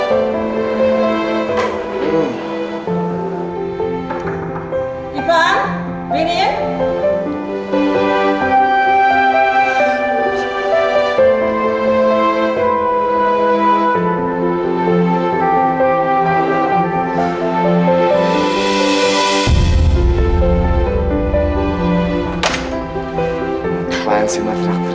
peki ya sudah hati apa aku mau jadi ceneng